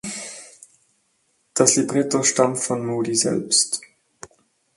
Das Libretto stammt von Moody selbst.